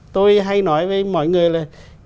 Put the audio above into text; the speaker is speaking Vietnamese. tôi hay nói với mọi người là